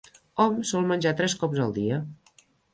Hom sol menjar tres cops al dia.